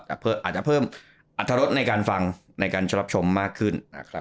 อาจจะเพิ่มอัตรรสในการฟังในการรับชมมากขึ้นนะครับ